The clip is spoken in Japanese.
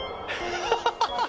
ハハハハ！」